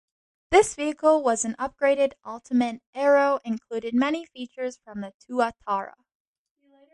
This vehicle was an upgraded Ultimate Aero and included many features from the Tuatara.